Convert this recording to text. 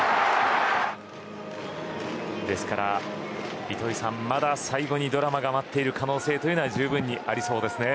ですから、糸井さんまだ最後にドラマが待っている可能性は十分にありそうですね。